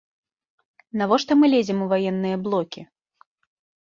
Навошта мы лезем у ваенныя блокі?